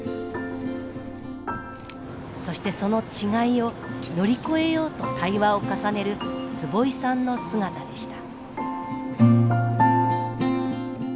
そしてその違いを乗り越えようと対話を重ねる坪井さんの姿でした。